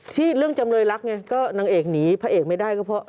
ที่เรื่องจำเลยรักไงก็นางเอกหนีพระเอกไม่ได้ก็เพราะ